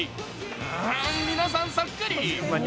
うーん、皆さんそっくり。